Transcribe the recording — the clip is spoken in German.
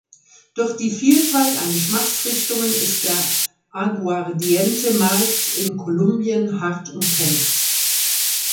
Durch die Vielfalt an Geschmacksrichtungen ist der Aguardiente-Markt in Kolumbien hart umkämpft.